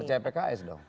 percaya pks dong